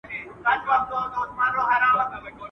o کم اصل چي کوم ځاى خوري، هلته خړي.